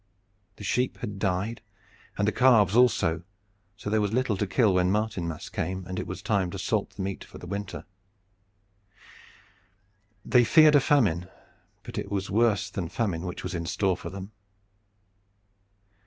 The sheep had died, and the calves also, so there was little to kill when Martinmas came and it was time to salt the meat for the winter. They feared a famine, but it was worse than famine which was in store for them.